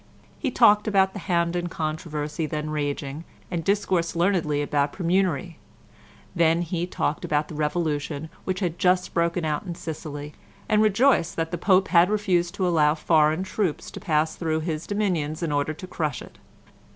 He talked about the Hampden Controversy then raging, and discoursed learnedly about "Praemunire"; then he talked about the revolution which had just broken out in Sicily, and rejoiced that the Pope had refused to allow foreign troops to pass through his dominions in order to crush it.